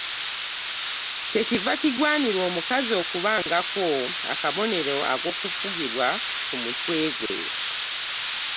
Kye kiva kigwanira omukazi okubangako akabonero ak'okufugibwa ku mutwe gwe.